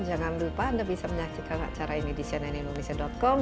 jangan lupa anda bisa menyaksikan acara ini di cnnindonesia com